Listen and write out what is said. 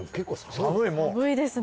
寒いですね。